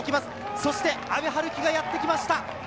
そして阿部陽樹がやってきました。